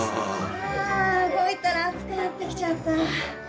・あ動いたら暑くなってきちゃった。